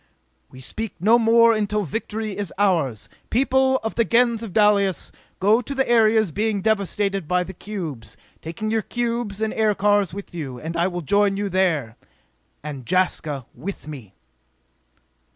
We speak no more until victory is ours! People of the Gens of Dalis, go to the areas being devasted by the cubes, taking your cubes and aircars with you, and I will join you there! _And Jaska with me!